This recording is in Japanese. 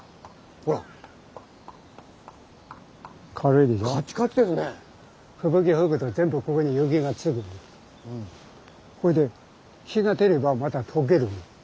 ほいで日が照ればまた溶ける。